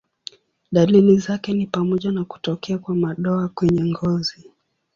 Dalili zake ni pamoja na kutokea kwa madoa kwenye ngozi.